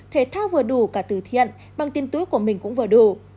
thể thao vừa đủ cả từ thiện bằng tiền túi của mình cũng vừa đủ